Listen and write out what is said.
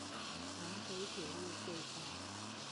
南迴鐵路隧道